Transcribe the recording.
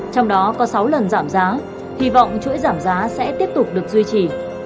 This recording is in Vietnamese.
trong đó có sáu lần giảm giá hy vọng chuỗi giảm giá sẽ tiếp tục được duy trì